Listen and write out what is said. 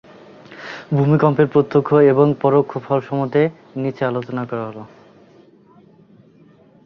ভূমিকম্পের প্রত্যক্ষ এবং পরোক্ষ ফল সম্বন্ধে নিচে আলোচনা করা হলো।